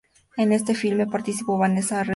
En este filme participó Vanessa Redgrave.